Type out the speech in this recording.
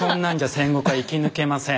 戦国は生き抜けません。